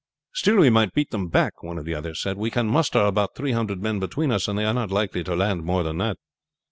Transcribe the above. "Still we might beat them back," one of the others said. "We can muster about three hundred men between us, and they are not likely to land more than that."